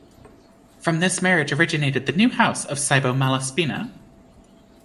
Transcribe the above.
From this marriage originated the new house of Cybo-Malaspina.